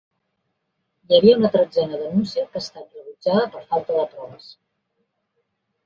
Hi havia una tretzena denúncia que ha estat rebutjada per falta de proves.